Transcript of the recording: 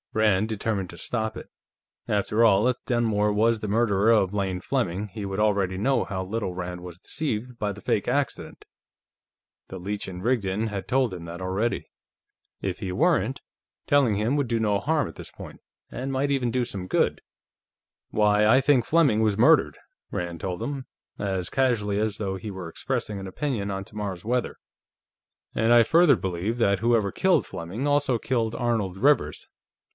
Rand determined to stop it. After all, if Dunmore was the murderer of Lane Fleming, he would already know how little Rand was deceived by the fake accident; the Leech & Rigdon had told him that already. If he weren't, telling him would do no harm at this point, and might even do some good. "Why, I think Fleming was murdered," Rand told him, as casually as though he were expressing an opinion on tomorrow's weather. "And I further believe that whoever killed Fleming also killed Arnold Rivers.